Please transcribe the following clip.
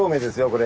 これ。